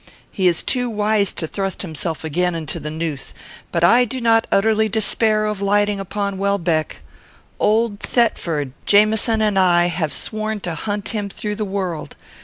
He is too wise to thrust himself again into the noose; but I do not utterly despair of lighting upon Welbeck. Old Thetford, Jamieson, and I, have sworn to hunt him through the world.